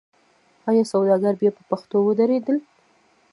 آیا سوداګر بیا په پښو ودرېدل؟